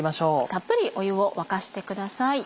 たっぷり湯を沸かしてください。